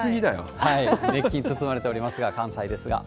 熱気に包まれておりますが、関西ですが。